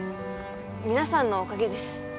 皆さんのおかげです